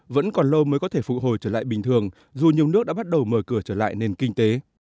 vẫn còn lâu mới có thể phụ hồi trở lại bình thường dù nhiều nước đã bắt đầu mở cửa trở lại nền kinh tế